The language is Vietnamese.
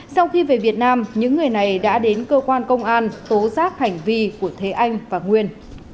sau khi về việt nam những người này đã đến cơ quan công an tố giác hành vi của thế anh và nguyên